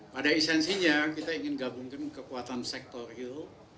pada esensinya kita ingin gabungkan kekuatan sektor real